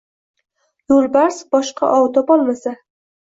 Yo’lbars boshqa ov topolmasa